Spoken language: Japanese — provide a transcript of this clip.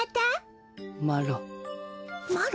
マロ。